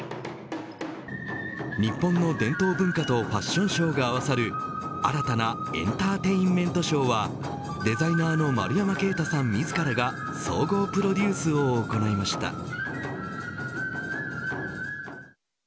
日本の伝統文化とファションショーが合わさる新たなエンターテインメントショーはデザイナーの丸山敬太さん自らが総合プロデュースを行いました。